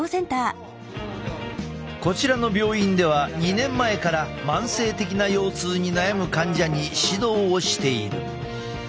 こちらの病院では２年前から慢性的な腰痛に悩む患者に指導をしている。